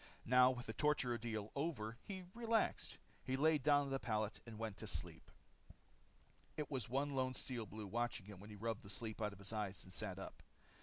Now with the torture ordeal over, he relaxed. He laid down on the pallet and went to sleep. There was one lone Steel Blue watching him when he rubbed the sleep out of his eyes and sat up.